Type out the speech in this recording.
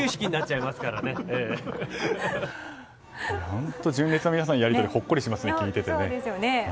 本当に純烈の皆さんのやり取りほっこりしますね、聞いていて。